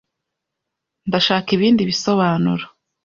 Ndashaka ibindi bisobanuro.